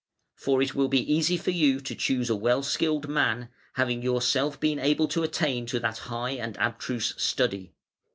For it will be easy for you to choose a well skilled man, having yourself been able to attain to that high and abstruse study".